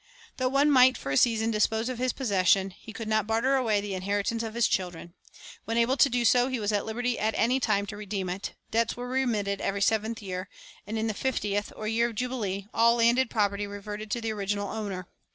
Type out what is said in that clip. Though one might for a season dispose of his possession, he could not barter away the inheritance of his children. When able to do so, he was at liberty at any time to redeem it; debts were remitted every seventh year, and in the fiftieth, or year of jubilee, all landed property reverted to the original owner.